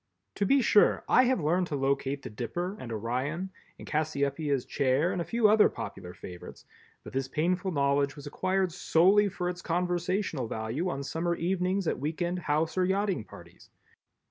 To be sure I have learned to locate the Dipper and Orion and Cassiopeia's Chair and a few other popular favorites, but this painful knowledge was acquired solely for its conversational value on summer evenings at week end, house or yachting parties.